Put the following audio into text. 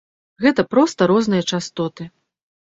Гэта проста розныя частоты.